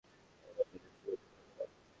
এ ব্যাপারে রসিকতা করবে না।